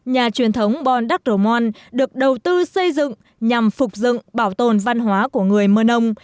nhà truyền thống bon đắk rổ mon được đầu tư xây dựng nhằm phục dựng bảo tồn văn hóa của người mơ nông